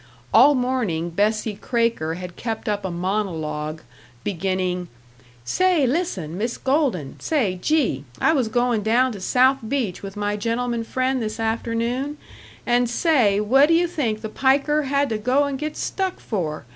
All morning Bessie Kraker had kept up a monologue, beginning, "Say, lis ten, Miss Golden, say, gee! I was goin' down to South Beach with my gentleman friend this afternoon, and, say, what d'you think the piker had to go and get stuck for?